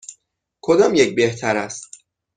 کدام یک بهتر است؟